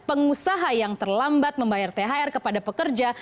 pengusaha yang terlambat membayar thr kepada pekerja